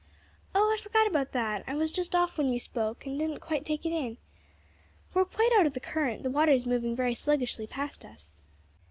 "Oh, I forgot about that; I was just off when you spoke, and didn't quite take it in. We are quite out of the current; the water is moving very sluggishly past us."